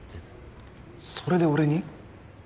それで俺に？